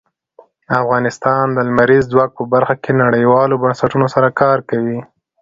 افغانستان د لمریز ځواک په برخه کې نړیوالو بنسټونو سره کار کوي.